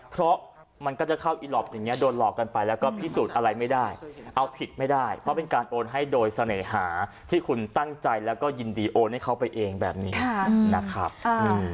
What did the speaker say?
เพราะมันก็จะเข้าอีหลอปอย่างนี้โดนหลอกกันไปแล้วก็พิสูจน์อะไรไม่ได้เอาผิดไม่ได้เพราะเป็นการโอนให้โดยเสน่หาที่คุณตั้งใจแล้วก็ยินดีโอนให้เขาไปเองแบบนี้นะครับ